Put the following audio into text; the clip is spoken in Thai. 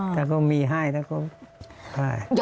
ถ้าตั้งวันพดไม่ได้ต้องหลาย